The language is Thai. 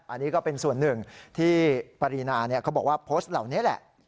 อันนี้ก็เป็นส่วนหนึ่งที่ปรีนาเขาบอกว่าโพสต์เหล่านี้แหละ